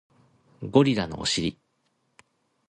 ゴリラのお尻